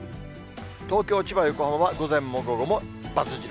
東京、千葉、横浜は午前も午後も×印。